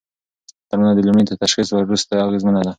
درملنه د لومړي تشخیص وروسته اغېزمنه ده.